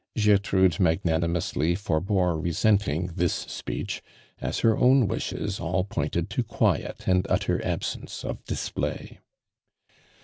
Gertrude magnanimoius ly forebore resenting this speech, as her •wn wishes all pointed to qmet and utter a!b sence of display.